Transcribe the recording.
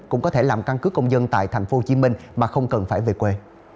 cũng có thể làm căn cứ công dân tại tp hcm mà không cần phải về quê